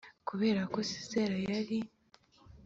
Kubera ko sisera yari